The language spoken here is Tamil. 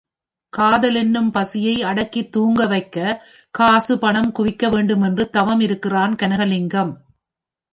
காதல் எனும் பசியை அடக்கித் தூங்கவைக்கக் காசு பணம் குவிக்க வேண்டுமென்று தவம் இருக்கிறான் கனகலிங்கம்.